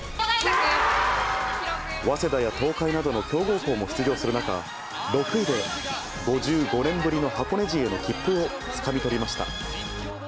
早稲田や東海などの強豪校も出場する中、６位で５５年ぶりの箱根路への切符をつかみ取りました。